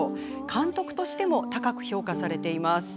監督としても高く評価されています。